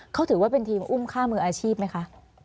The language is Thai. เขาถือว่าเป็นทีมอุ้มค่ามืออาชีพไหมคะ